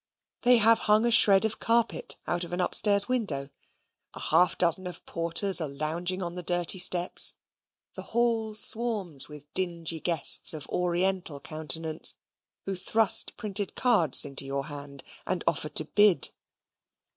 They have hung a shred of carpet out of an upstairs window a half dozen of porters are lounging on the dirty steps the hall swarms with dingy guests of oriental countenance, who thrust printed cards into your hand, and offer to bid.